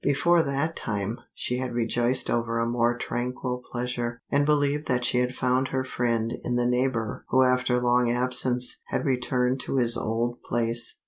Before that time she had rejoiced over a more tranquil pleasure, and believed that she had found her friend in the neighbor who after long absence had returned to his old place.